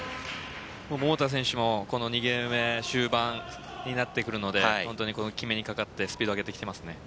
桃田選手もこの２ゲーム目終盤になってくるので決めにかかってスピードを上げてきていますね。